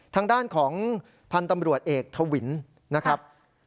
ทางด้านของพันธุ์ตำรวจเอกทวินนะครับ